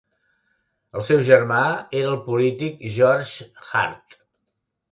El seu germà era el polític George Hart.